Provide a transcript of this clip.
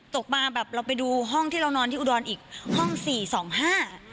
ตกมาแบบเราไปดูห้องที่เรานอนที่อุดรอีกห้องสี่สองห้า